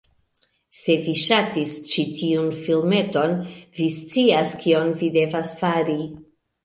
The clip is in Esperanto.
Se vi ŝatis ĉi tiun filmeton, vi scias kion vi devas fari: